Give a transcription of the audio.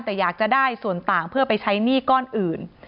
แต่อยากจะได้ส่วนต่างเพื่อไปใช้หนี้ก้อนอื่น